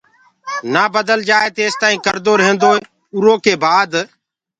نآ بدل جآئي تيستآئين ڪردو ريهيندوئي اُرو ڪي بآد